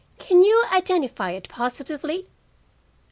Can you identify it positively?"